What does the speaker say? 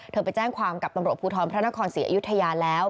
ไปแจ้งความกับตำรวจภูทรพระนครศรีอยุธยาแล้ว